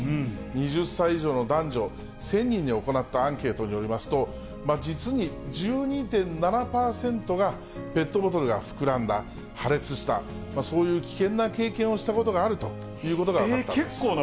２０歳以上の男女１０００人に行ったアンケートによりますと、実に１２．７％がペットボトルが膨らんだ、破裂した、そういう危険な経験をしたことがあるということが分かったんです。